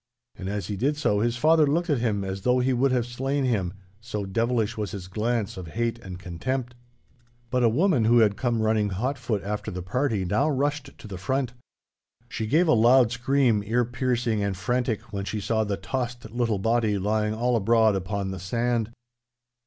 And as he did so, his father looked at him as though he would have slain him, so devilish was his glance of hate and contempt. But a woman who had come running hot foot after the party, now rushed to the front. She gave a loud scream, ear piercing and frantic, when she saw the tossed little body lying all abroad upon the sand.